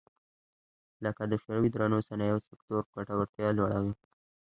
لکه د شوروي درنو صنایعو سکتور ګټورتیا لوړه وه